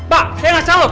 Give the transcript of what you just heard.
pak saya gak salah pak